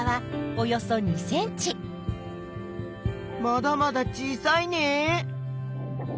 まだまだ小さいね。